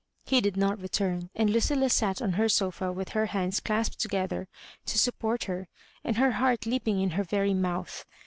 He did not return: and Lucilla sat on her sofa with her hands clasped together to support her, and her heart leaping in her very mouth.